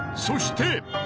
そして］